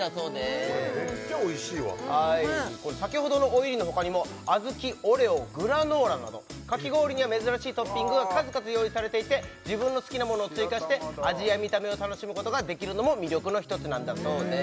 これめっちゃおいしいわ先ほどのおいりのほかにも小豆オレオグラノーラなどかき氷には珍しいトッピングが数々用意されていて自分の好きなものを追加して味や見た目を楽しむことができるのも魅力の１つなんだそうです